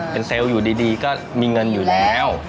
เป็นเซลล์อยู่ดีก็มีเงินอยู่แล้ว